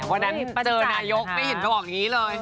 วันนั้นเจอนายกไม่เห็นมาบอกอย่างนี้เลย